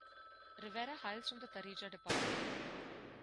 Rivera hails from the Tarija Department.